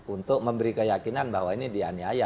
untuk memberi keyakinan bahwa ini dianiaya